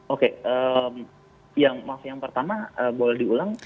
oke yang pertama boleh diulang